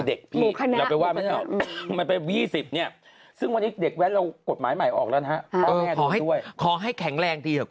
ไดกเขาบอกว่าพวกเธอไม่เคยเจอได้ไหม